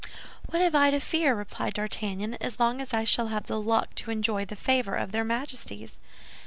"What have I to fear," replied D'Artagnan, "as long as I shall have the luck to enjoy the favor of their Majesties?"